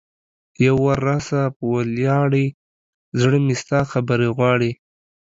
یو وار راسه په ولیاړې ـ زړه مې ستا خبرې غواړي